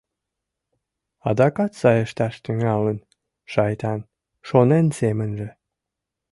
«Адакат саешташ тӱҥалын, шайтан», — шонен семынже.